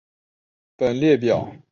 本列表列出苏丹的活火山与死火山。